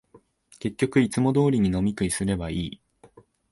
結局、いつも通りに飲み食いすればいい